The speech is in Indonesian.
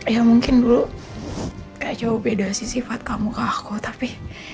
ya mungkin dulu gak jauh beda sih sifat kamu ke aku tapi